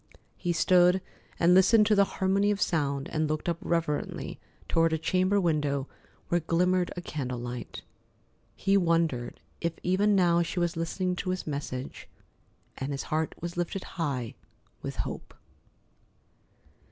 He stood and listened to the harmony of sound and looked up reverently toward a chamber window where glimmered a candle light. He wondered if even now she was listening to his message, and his heart was lifted high with hope.